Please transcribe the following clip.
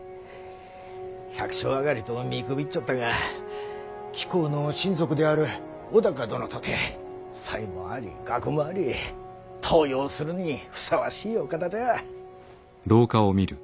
百姓上がりと見くびっちょったが貴公の親族である尾高殿とて才もあり学もあり登用するにふさわしいお方じゃ。